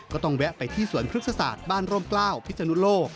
ก็ต้องแวะไปที่สวนภึกษศาสตร์บ้านรมกล้าวพิชนุโล